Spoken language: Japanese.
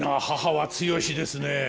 母は強しですね。